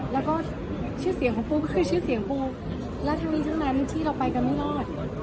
แล้วก็ชื่อเสียงของปูก็คือชื่อเสียงปูและทั้งนี้ทั้งนั้นที่เราไปกันไม่รอด